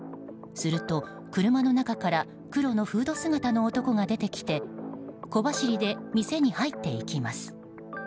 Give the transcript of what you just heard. すると、車の中から黒のフード姿の男が出てきて小走りで店に入っていきます。